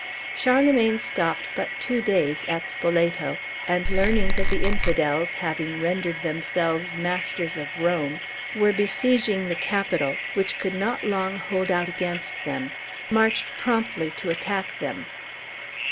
Charlemagne stopped but two days at Spoleto, and learning that the Infidels, having rendered themselves masters of Rome, were besieging the Capitol, which could not long hold out against them, marched promptly to attack them.